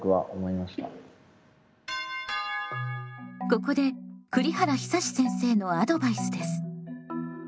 ここで栗原久先生のアドバイスです。